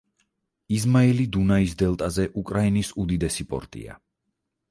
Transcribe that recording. იზმაილი დუნაის დელტაზე უკრაინის უდიდესი პორტია.